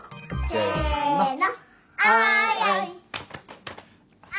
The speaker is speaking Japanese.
せの。